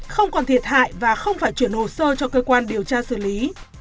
không còn thiệt hại và không phải chuyển hồ sơ cho cơ quan điều tra xử lý